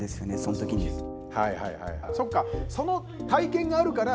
その体験があるから。